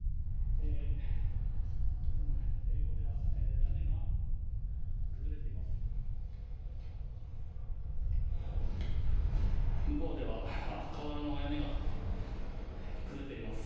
こちら、屋根が崩れています。